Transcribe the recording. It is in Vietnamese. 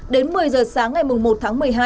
đến một mươi giờ sáng ngày một tháng một mươi hai